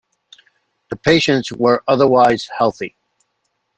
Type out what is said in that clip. The patients were otherwise healthy.